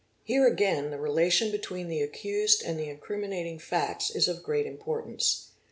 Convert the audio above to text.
Here again y the relation between the accused and the incriminating facts is of great importance.